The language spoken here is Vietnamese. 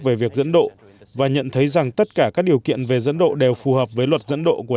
về việc dẫn độ và nhận thấy rằng tất cả các điều kiện về dẫn độ đều phù hợp với luật dẫn độ của